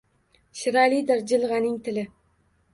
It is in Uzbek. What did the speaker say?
Shiralidir jilgʼaning tili.